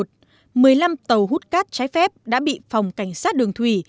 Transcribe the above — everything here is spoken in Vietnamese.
ngày ba tháng một mươi một một mươi năm tàu hút cát trái phép đã bị phòng cảnh sát đường thủy